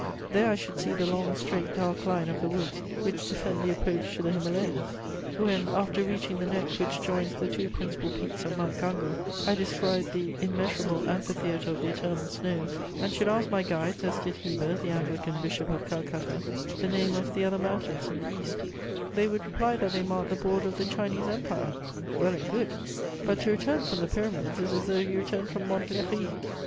There I should see the long, straight, dark line of the woods which defend the approach to the Himalayas; when, after reaching the neck which joins the two principal peaks of Mount Ganghur, I descried the immeasurable amphitheatre of the eternal snows, and should ask my guides, as did Heber, the Anglican Bishop of Calcutta, the name of the other mountains in the East, they would reply that they marked the border of the Chinese Empire: well and good! But to return from the Pyramids is as though you returned from Montlhéry.